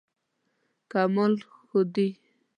کمال ښودی.